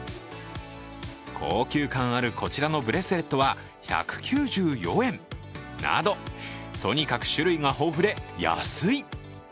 高級感あるこちらのブレスレットは１９４円などとにかく種類が豊富で安い。